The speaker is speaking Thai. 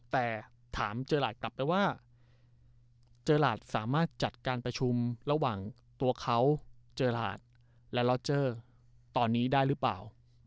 แต่ถามเจอหลาดกลับไปว่าเจอหลาดสามารถจัดการประชุมระหว่างตัวเขาเจอหลาดและล็อเจอร์ตอนนี้ได้หรือเปล่า